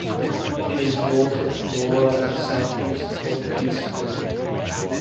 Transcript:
It is north of Canora and southeast of Preeceville.